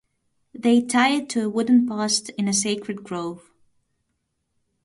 They tie it to a wooden post in a sacred grove.